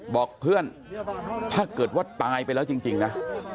บอกเพื่อนถ้าเกิดว่าตายไปแล้วจริงนะ